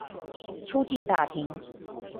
出境大廳